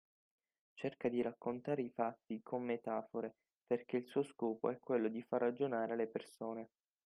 Cerca di raccontare i fatti con metafore, perché il suo scopo è quello di far ragionare le persone.